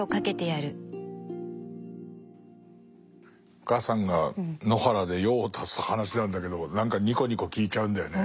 お母さんが野原で用を足す話なんだけど何かニコニコ聞いちゃうんだよね。